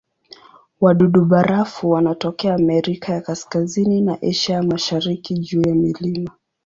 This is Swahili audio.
Wadudu-barafu wanatokea Amerika ya Kaskazini na Asia ya Mashariki juu ya milima.